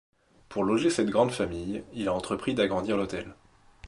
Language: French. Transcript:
Pour loger cette grande famille, il a entrepris d'agrandir l'hôtel.